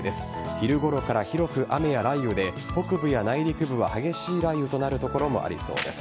昼ごろから広く雨や雷雨で北部や内陸部は激しい雷雨となる所もありそうです。